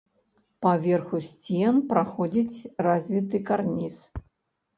Па верху сцен праходзіць развіты карніз.